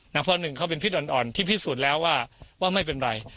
เพราะหนึ่งเขาเป็นพิษอ่อนที่พิสูจน์แล้วว่าไม่เป็นไร